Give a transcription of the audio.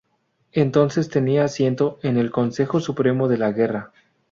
Entonces tenía asiento en el Consejo Supremo de la Guerra.